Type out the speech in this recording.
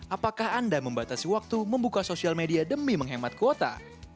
apakah anda membatasi waktu membuka sosial media demi menghemat kuota